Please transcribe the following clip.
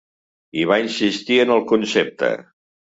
I va insistir en el concepte.